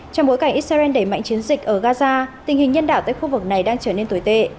trong bối cảnh israel đẩy mạnh chiến dịch ở gaza tình hình nhân đạo tại khu vực này đang trở nên tồi tệ